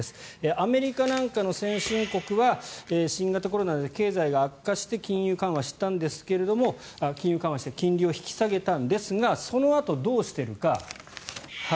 アメリカなんかの先進国は新型コロナで経済が悪化して金融緩和して金利を引き下げたんですがそのあとどうしているか。